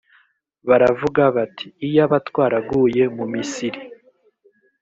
baravuga bati “iyaba twaraguye mu misiri”